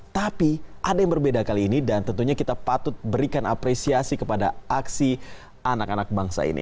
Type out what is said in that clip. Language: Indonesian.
tapi ada yang berbeda kali ini dan tentunya kita patut berikan apresiasi kepada aksi anak anak bangsa ini